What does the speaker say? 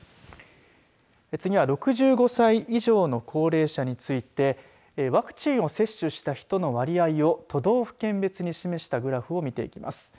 次は６５歳以上の高齢者についてワクチンを接種した人の割合を都道府県別に示したグラフを見ていきます。